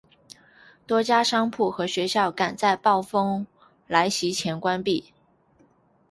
多家商铺和学校赶在风暴来袭前关闭。